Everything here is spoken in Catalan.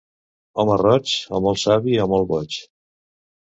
Home roig, o molt savi o molt boig.